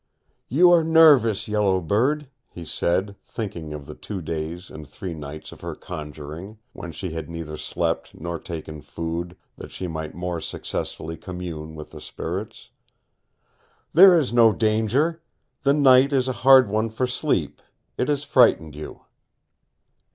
"You are nervous, Yellow Bird," he said, thinking of the two days and three nights of her conjuring, when she had neither slept nor taken food, that she might more successfully commune with the spirits. "There is no danger. The night is a hard one for sleep. It has frightened you."